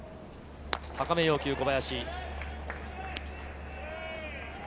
高めを要求、小林。